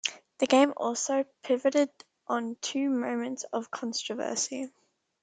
The game also pivoted on two moments of controversy.